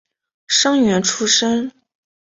生员出身。